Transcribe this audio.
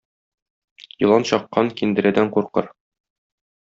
Елан чаккан киндерәдән куркыр.